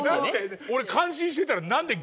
俺感心してたら。